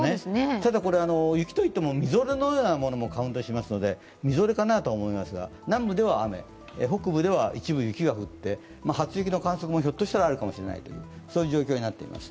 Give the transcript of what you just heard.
ただこれ、雪といっても、みぞれのようなものもカウントしますのでみぞれかなと思いますが、南部では雨、北部では一部雪が降って、初雪の観測もひょっとしたらあるかもしれないそういう状況になっています。